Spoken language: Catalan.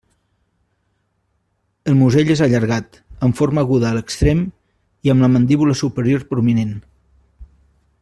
El musell és allargat, amb forma aguda a l'extrem, i amb la mandíbula superior prominent.